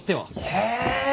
へえ。